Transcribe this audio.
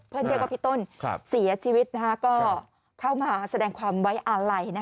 เพื่อนเดียวกับพี่ต้นเสียชีวิตก็เข้ามาแสดงความไว้อาไหล